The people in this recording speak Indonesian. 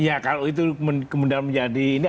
ya kalau itu kemudian menjadi ini